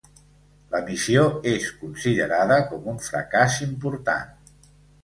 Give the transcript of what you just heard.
La missió és considerada com un fracàs important.